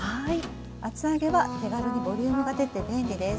厚揚げは手軽にボリュームが出て便利です。